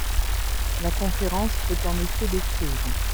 La conférence peut en effet l’écrire.